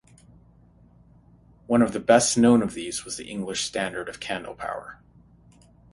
One of the best-known of these was the English standard of candlepower.